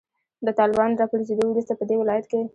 د طالبانو د راپرزیدو وروسته پدې ولایت کې